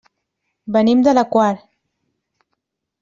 Venim de la Quar.